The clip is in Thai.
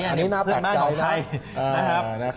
อันนี้น่าแปลกใจนะครับ